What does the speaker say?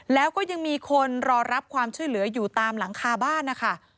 แล้วก็ยังมีคนรอรับความช่วยเหลืออยู่ตามหลังคาบ้านนะคะ